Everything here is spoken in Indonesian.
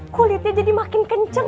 kulitnya jadi makin kenceng c